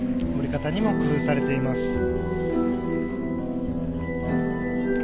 降り方にも工夫されています。